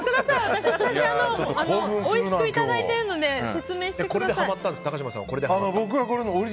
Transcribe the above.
私、おいしくいただいてるので説明してください。